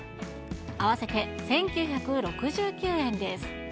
合わせて１９６９円です。